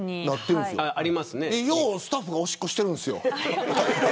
よくスタッフがおしっこしているんです。